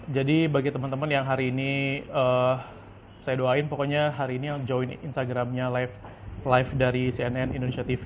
jadi bagi temen temen yang hari ini saya doain pokoknya hari ini join instagramnya live dari cnn indonesia tv